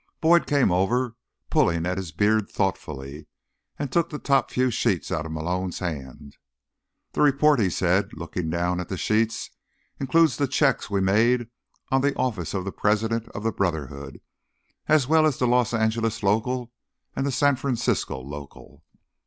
Boyd came over, pulling at his beard thoughtfully, and took the top few sheets out of Malone's hands. "The report," he said, looking down at the sheets, "includes the checks we made on the office of the president of the Brotherhood, as well as the Los Angeles local and the San Francisco local."